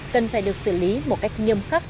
cần phải được xử lý một cách nhâm khắc